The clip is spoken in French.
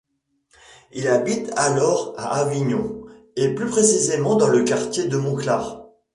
Il habite alors à Avignon, et plus précisément dans le quartier de Monclar.